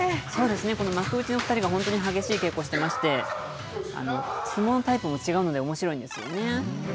そうですね、幕内の２人が本当に激しい稽古をしてまして、相撲のタイプも違うのでおもしろいんですよね。